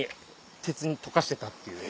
鉄溶かしてたっていう。